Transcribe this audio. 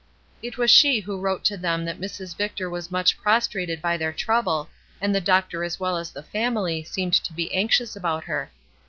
It was she who wrote to them that Mrs. Vic tor was much prostrated by their trouble, and the doctor as well as the family seemed to be anxious about her.